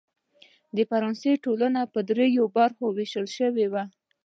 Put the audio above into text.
د فرانسې ټولنه پر دریوو برخو وېشل شوې وه.